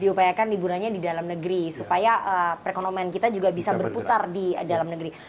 diupayakan liburannya di dalam negeri supaya perekonomian kita juga bisa berputar di dalam negeri